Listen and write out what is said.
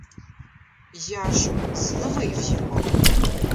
Я ж зловив його!